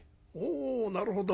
「おなるほど。